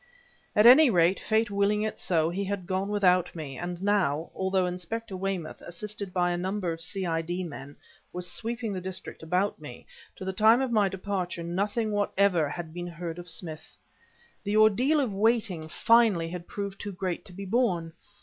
At any rate, Fate willing it so, he had gone without me; and now although Inspector Weymouth, assisted by a number of C. I. D. men, was sweeping the district about me to the time of my departure nothing whatever had been heard of Smith. The ordeal of waiting finally had proved too great to be borne.